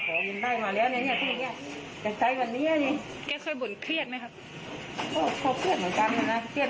กันไปนานแล้วอันนี้ก็น่าจะเป็นอีกหนึ่งสาเหตุ